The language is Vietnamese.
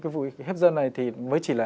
vụ hếp dâm này thì mới chỉ là